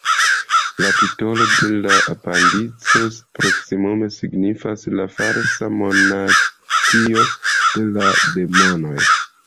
La titolo de la la apendico proksimume signifas "la falsa monarkio de la demonoj".